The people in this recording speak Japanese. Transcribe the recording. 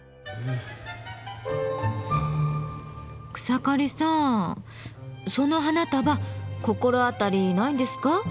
草刈さんその花束心当たりないんですか？